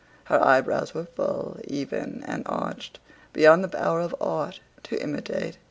Her eyebrows were full, even, and arched beyond the power of art to imitate.